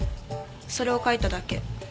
それを描いただけ。